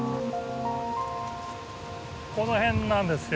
この辺なんですよ。